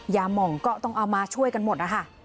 หม่องก็ต้องเอามาช่วยกันหมดนะคะ